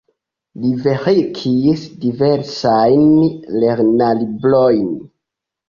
Li verkis diversajn lernolibrojn.